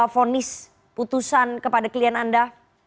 fonis putusan kepada klien anda